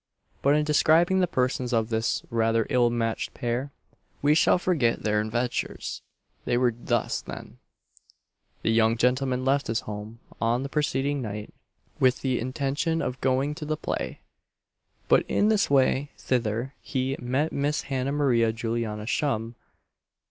But in describing the persons of this rather ill matched pair, we shall forget their adventures. They were thus then: The young gentleman left his home on the preceding night with the intention of going to the play, but in his way thither he met Miss Hannah Maria Juliana Shum.